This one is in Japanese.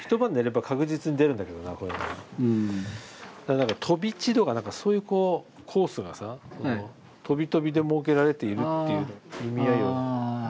だから「飛び地」とか何かそういうこうコースがさこうとびとびで設けられているっていう意味合いを出せればさ。